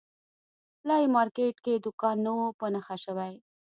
لا یې مارکېټ کې دوکان نه وو په نښه شوی.